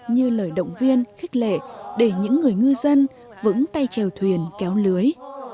như lời động viên khích lệ để những người ngư dân vững tay trèo thuyền kéo lưới